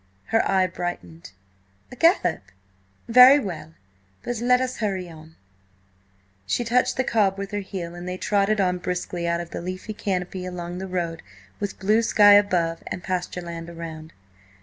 Her eye brightened. "A gallop? Very well! But let us hurry on." She touched the cob with her heel, and they trotted on briskly out of the leafy canopy along the road with blue sky above and pasture land around.